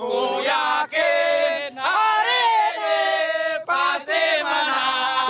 aku yakin hari ini pasti menang